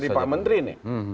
ini sikap dari pak menteri nih